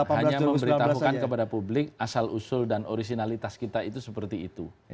hanya memberitahukan kepada publik asal usul dan originalitas kita itu seperti itu